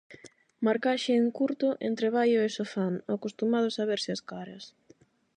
Marcaxe en curto entre Baio e Sofán, acostumados a verse as caras.